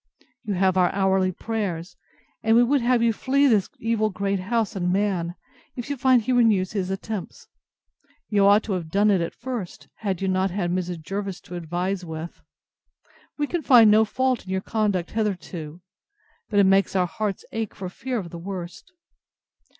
You have our hourly prayers; and we would have you flee this evil great house and man, if you find he renews his attempts. You ought to have done it at first, had you not had Mrs. Jervis to advise with. We can find no fault in your conduct hitherto: But it makes our hearts ache for fear of the worst.